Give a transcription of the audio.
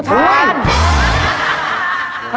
อุทาล